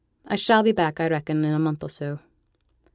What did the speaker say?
I shall be back, I reckon, in a month or so.'